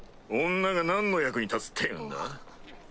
女が何の役に立つっていうんだ？